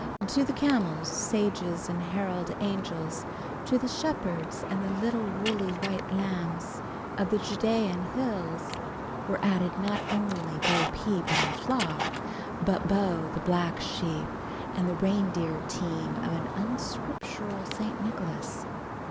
To the camels, sages and herald angels, to the shepherds and the little woolly white lambs of the Judean hills, were added not only Bo Peep and her flock, but Baa the black sheep, and the reindeer team of an unscriptural Saint Nicholas.